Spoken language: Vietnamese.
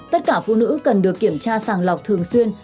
tất cả phụ nữ cần được kiểm tra sàng lọc thường xuyên